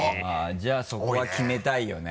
じゃあそこは決めたいよね。